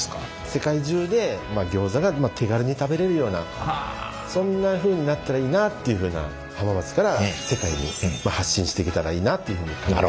世界中でギョーザが手軽に食べれるようなそんなふうになったらいいなっていうふうな浜松から世界に発信していけたらいいなっていうふうに考えてます。